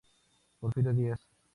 Porfirio Díaz.